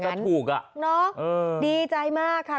คนที่นี่ก็ถูกอ่ะเนาะดีใจมากค่ะ